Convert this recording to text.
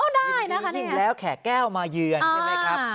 ได้นะคะจริงแล้วแขกแก้วมาเยือนใช่ไหมครับ